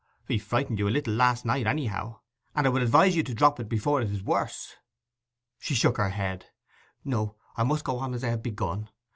'He frightened you a little last night, anyhow: and I would advise you to drop it before it is worse.' She shook her head. 'No, I must go on as I have begun.